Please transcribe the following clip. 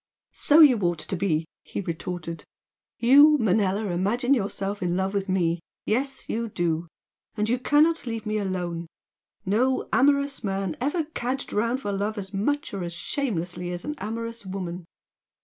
"So you ought to be!" he retorted "You Manella imagine yourself in love with me ... yes, you do! and you cannot leave me alone! No amorous man ever cadged round for love as much or as shamelessly as an amorous woman!